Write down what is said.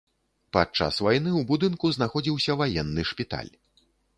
Падчас вайны ў будынку знаходзіўся ваенны шпіталь.